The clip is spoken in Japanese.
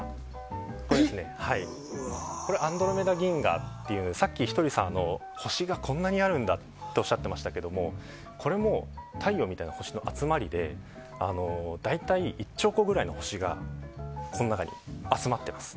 アンドロメダ銀河というさっき、ひとりさん星がこんなにあるんだっておっしゃってましたがこれも太陽みたいな星の集まりで大体、１兆個ぐらい星がこの中に集まっています。